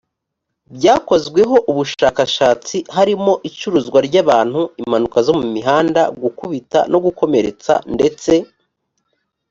byakozweho ubushakashatsi harimo icuruzwa ry abantu impanuka zo mu mihanda gukubita no gukomeretsa ndetse